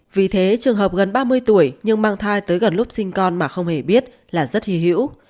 vì thế trường hợp gần ba mươi tuổi nhưng mang thai tới gần lúc sinh con mà không hề biết là rất hy hữu